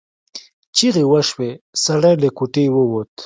چیغې وشوې سړی له کوټې ووت.